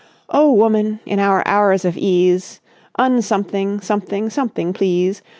"Oh, woman, in our hours of ease, Un something, something, something, please.